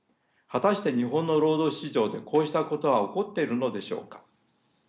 果たして日本の労働市場でこうしたことは起こっているのでしょうか。